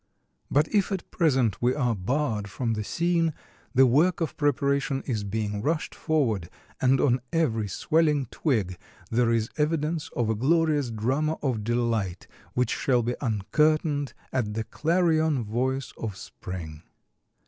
But if at present we are barred from the scene, the work of preparation is being rushed forward, and on every swelling twig there is evidence of a glorious drama of delight which shall be uncurtained at the clarion voice of Spring.